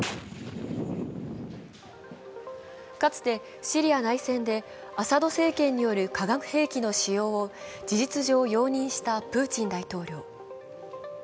かつてシリア内戦でアサド政権による化学兵器の使用を事実上、容認したプーチン大統領。